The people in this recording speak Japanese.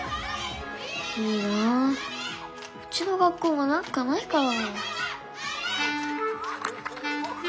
いいなうちの学校もなんかないかな。